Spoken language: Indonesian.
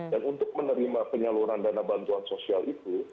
dan untuk menerima penyaluran dana bantuan sosial itu